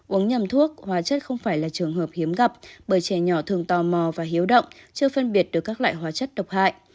uống nhầm thuốc hóa chất không phải là trường hợp hiếm gặp bởi trẻ nhỏ thường tò mò và hiếu động chưa phân biệt được các loại hóa chất độc hại